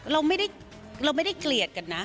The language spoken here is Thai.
เราไม่ได้เกลียดกันนะ